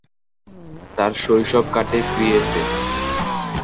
তার শৈশব কাটে ক্রিয়েফে।